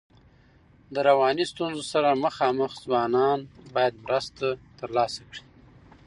د رواني ستونزو سره مخامخ ځوانان باید مرسته ترلاسه کړي.